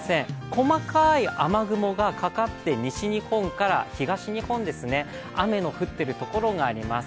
細かい雨雲がかかって西日本から東日本、雨が降っているところがあります。